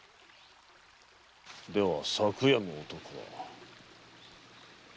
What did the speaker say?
では昨夜の男は。